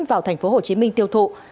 vào tp hcm tiêu thụ